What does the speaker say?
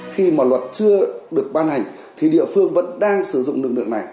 khi mà luật chưa được ban hành thì địa phương vẫn đang sử dụng lực lượng này